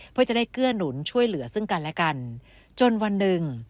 เพื่อจะได้เกื้อหนุนช่วยเหลือซึ่งกันและกันจนวันหนึ่ง